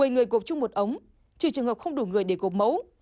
một mươi người gộp chung một ống trừ trường hợp không đủ người để gộp mẫu